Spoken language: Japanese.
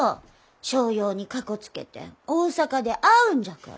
商用にかこつけて大阪で会うんじゃから。